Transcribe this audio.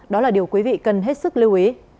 đó là điều quý vị cần hết sức lưu ý